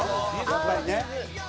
やっぱりね。